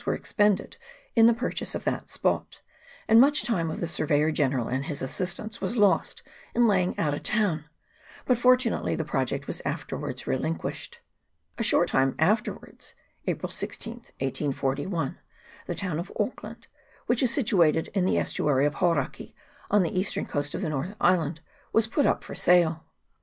were expended in the purchase of that spot ; and much time of the surveyor general and his assistants was lost in lay ing out a town ; but, fortunately, the project was afterwards relinquished. A short time afterwards, April 16, 1841, the town of Auckland, which is situ ated in the estuary of Hauraki, on the eastern coast CHAP. I.J GENERAL REMARKS. 11 of the northern island, was put up for sale.